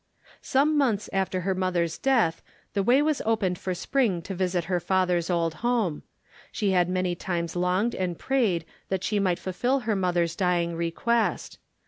Some months after her mother's death the way was opened for Spring to visit her father's old home. She had many times longed and prayed that she might fulfil her mother's dying request.